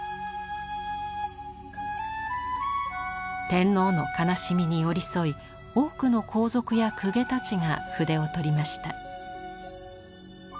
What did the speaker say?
天皇の悲しみに寄り添い多くの皇族や公家たちが筆を執りました。